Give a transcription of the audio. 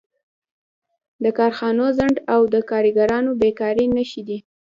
د کارخانو ځنډ او د کارګرانو بېکاري نښې دي